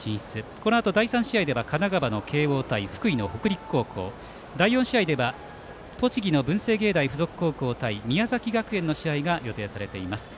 このあと第３試合は神奈川の慶応対福井の北陸高校第４試合では栃木の文星芸大付属高校対宮崎学園の試合が予定されています。